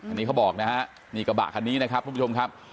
อันนี้เขาบอกนะฮะนี่กระบะคันนี้นะครับทุกผู้ชมครับ